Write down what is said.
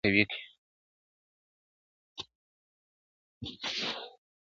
انټي اکسیدان لري چې بدن قوي کوي.